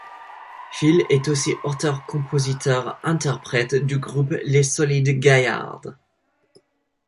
Phil est aussi auteur-compositeur-interprète du groupe Les Solides Gaillards.